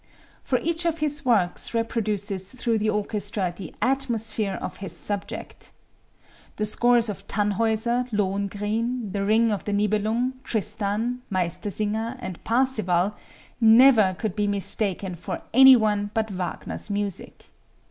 For each of his works reproduces through the orchestra the "atmosphere" of its subject. The scores of "Tannhäuser," "Lohengrin," "The Ring of the Nibelung," "Tristan," "Meistersinger" and "Parsifal" never could be mistaken for any one but Wagner's music.